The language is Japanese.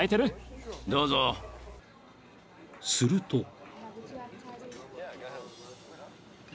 ［すると］